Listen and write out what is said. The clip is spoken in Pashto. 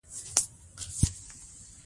سړک د زیارتونو لار ده.